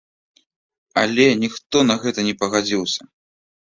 Але ніхто на гэта на пагадзіўся.